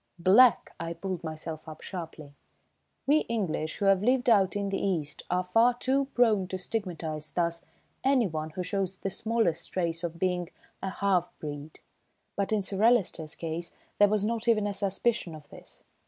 Black! I pulled myself up sharply. We English, who have lived out in the East, are far too prone to stigmatise thus anyone who shows the smallest trace of being a "half breed"; but in Sir Alister's case there was not even a suspicion of this.